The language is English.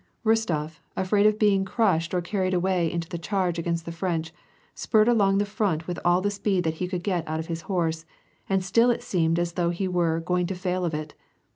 Rostof, afraid of being crushed or carried away into the charge against the French, spurred along the front with all the speed that he could get out of his horse, and still it seemed as though he were going to fail of it.